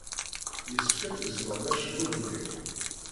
Yessefk ad tgezmeḍ acebbub-nnek.